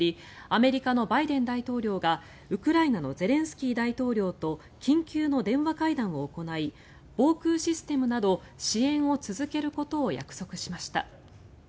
アメリカのバイデン大統領がウクライナのゼレンスキー大統領と緊急の電話会談を行い防空システムなど支援を続けることを約束しました。